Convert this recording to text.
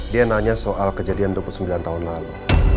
dia nanya soal kejadian dua puluh sembilan tahun lalu